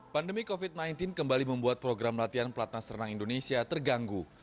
pandemi covid sembilan belas kembali membuat program latihan platnas renang indonesia terganggu